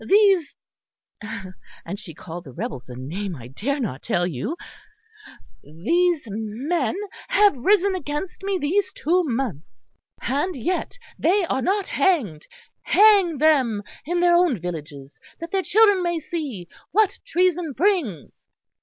These ' (and she called the rebels a name I dare not tell you) 'these men have risen against me these two months; and yet they are not hanged. Hang them in their own villages, that their children may see what treason brings.'